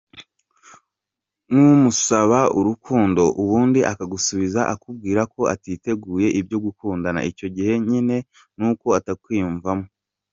Numusaba urukundo ubundi akagusubiza akubwira ko atiteguye ibyo gukundana icyo gihe nyine nuko atakwiyumvamo.